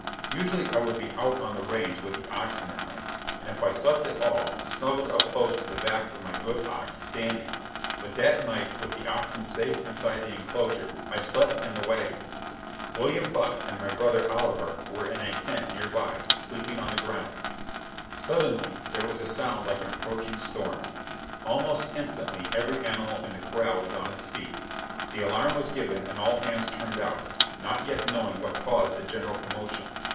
] Usually I would be out on the range with the oxen at night, and if I slept at all, snuggled up close to the back of my good ox, Dandy; but that night, with the oxen safe inside the enclosure, I slept in the wagon. William Buck and my brother Oliver were in a tent near by, sleeping on the ground. [Illustration: L. A. Huffman A remnant of the buffalo herds that once roamed the Plains.] Suddenly there was a sound like an approaching storm. Almost instantly every animal in the corral was on its feet. The alarm was given and all hands turned out, not yet knowing what caused the general commotion.